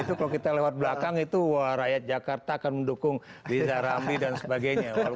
itu kalau kita lewat belakang itu wah rakyat jakarta akan mendukung riza ramli dan sebagainya